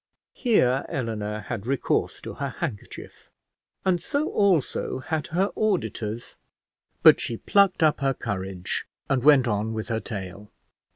Here Eleanor had recourse to her handkerchief, and so also had her auditors; but she plucked up her courage, and went on with her tale.